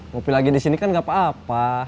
kopi lagi disini kan gak apa apa